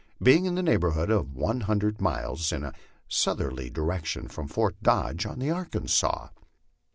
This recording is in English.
being in the neighbor hood of one hundred miles in a southerly direction from Fort Dodge on the Arkansas.